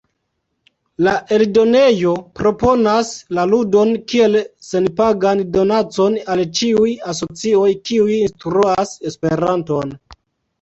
La eldonejo proponas la ludon kiel senpagan donacon al ĉiuj asocioj kiuj instruas Esperanton.